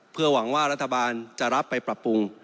เพื่อหวังว่ารัฐบาลจะรับไปปรับปรุง